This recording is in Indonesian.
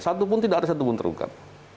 satupun tidak ada satupun terungkap